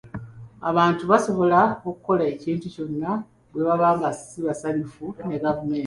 Abantu basobola okukola ekintu kyonna bwe baba nga si basanyufu ne gavumenti.